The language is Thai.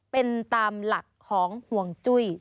เป็นตามหลักของห่วงจุ้ย